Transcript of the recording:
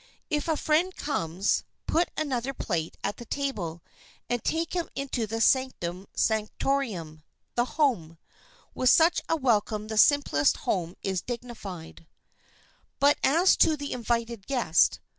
If a friend comes, put another plate at the table, and take him into the sanctum sanctorum—the home. With such a welcome the simplest home is dignified. [Sidenote: MEETING THE GUEST] But as to the invited guest.